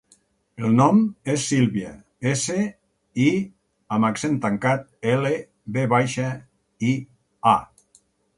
El nom és Sílvia: essa, i amb accent tancat, ela, ve baixa, i, a.